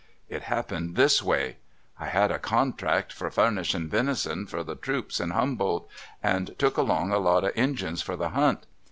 It happened this way: I had a • contract for furnishin' venison for the troops in Humboldt, and took along a lot of Injuns for the hunt.